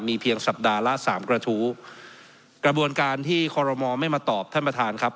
เพียงสัปดาห์ละสามกระทู้กระบวนการที่คอรมอลไม่มาตอบท่านประธานครับ